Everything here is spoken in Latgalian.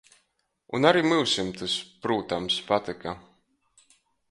Un ari myusim tys, prūtams, patyka.